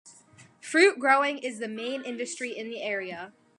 Fruit growing is the main industry in the area.